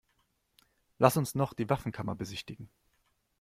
Lass uns noch die Waffenkammer besichtigen.